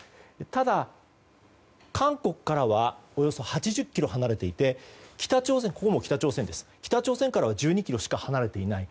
ただ、韓国からはおよそ８０ｋｍ離れていて北朝鮮からは１２ｋｍしか離れていない。